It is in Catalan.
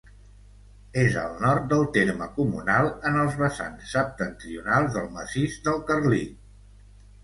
És al nord del terme comunal, en els vessants septentrionals del Massís del Carlit.